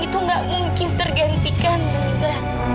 itu gak mungkin tergantikan tante